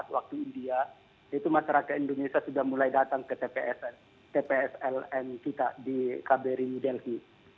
waktu india itu masyarakat indonesia sudah mulai datang ke tps lm kita di kbri new delhi